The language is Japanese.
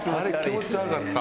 気持ち悪かった。